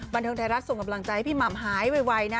บันเทิงไทยรัฐส่งกำลังใจให้พี่หม่ำหายไวนะ